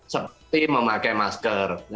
seperti memakai masker